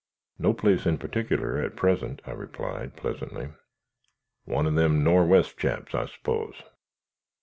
"No place in particular, at present," I replied, pleasantly. "One of them Nor'west chaps, I s'pose?"